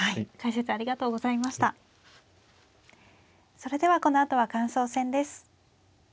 それではこのあとは感想戦です。